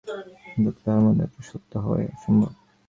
অন্তত তাহার মধ্যে একটা সত্য হওয়াই সম্ভব।